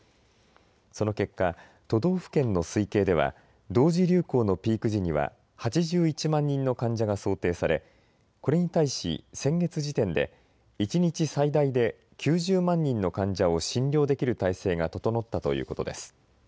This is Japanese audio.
その結果、都道府県の推計では同時流行のピーク時には８１万人の患者が想定されこれに対し先月時点で一日最大で９０万人の患者を診療できる体制が整ったということです。